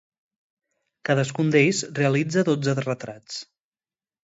Cadascun d'ells realitza dotze retrats.